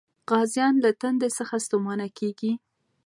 غازيان له تندې څخه ستومانه کېږي.